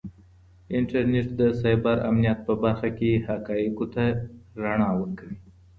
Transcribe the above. انټرنیټ د سایبر امنیت په برخه کې حقایقو ته رڼا ورکوي.